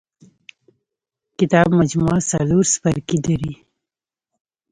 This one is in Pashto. کتاب مجموعه څلور څپرکي لري.